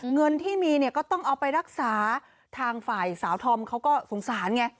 เงินที่มีเนี่ยก็ต้องเอาไปรักษาทางฝ่ายสาวธอมเขาก็สงสารไง